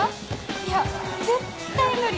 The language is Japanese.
いや絶対無理！